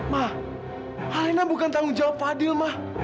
ma alena bukan tanggung jawab fadl ma